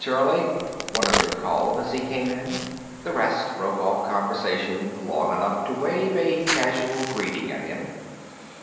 "Hi, Charlie," one of them called as he came in. The rest broke off conversation long enough to wave a casual greeting at him.